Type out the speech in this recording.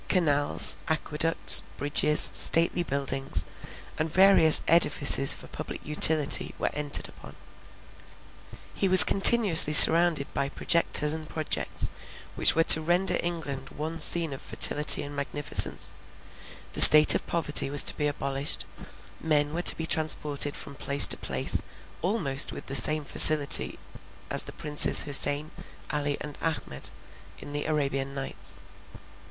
Canals, aqueducts, bridges, stately buildings, and various edifices for public utility, were entered upon; he was continually surrounded by projectors and projects, which were to render England one scene of fertility and magnificence; the state of poverty was to be abolished; men were to be transported from place to place almost with the same facility as the Princes Houssain, Ali, and Ahmed, in the Arabian Nights.